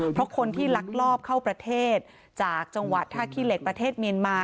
เพราะคนที่ลักลอบเข้าประเทศจากจังหวัดท่าขี้เหล็กประเทศเมียนมา